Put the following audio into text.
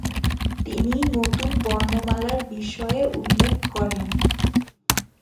তিনি নতুন বর্ণমালার বিষয়ে উল্লেখ ক্করেন।